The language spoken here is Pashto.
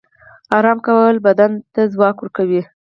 آرام کول بدن ته ځواک ورکوي